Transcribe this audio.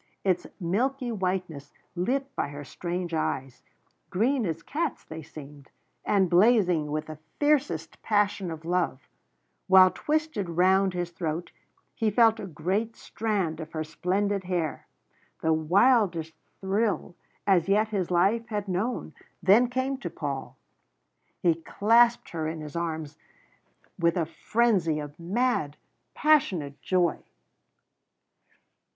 Its milky whiteness lit by her strange eyes green as cats' they seemed, and blazing with the fiercest passion of love while twisted round his throat he felt a great strand of her splendid hair. The wildest thrill as yet his life had known then came to Paul; he clasped her in his arms with a frenzy of mad, passionate joy.